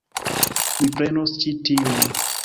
Mi prenos ĉi tiun.